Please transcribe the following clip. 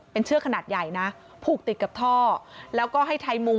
เป็นเชือกขนาดใหญ่นะผูกติดกับท่อแล้วก็ให้ไทยมู